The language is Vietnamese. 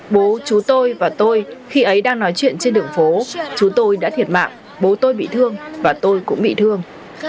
bố chú tôi và tôi khi ấy đang nói chuyện trên đường phố chú tôi đã thiệt mạng bố tôi bị thương và tôi cũng bị thương